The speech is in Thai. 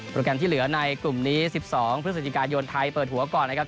แกรมที่เหลือในกลุ่มนี้๑๒พฤศจิกายนไทยเปิดหัวก่อนนะครับ